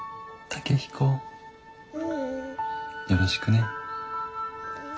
健彦よろしくね。